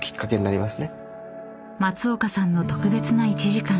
［松岡さんの特別な１時間］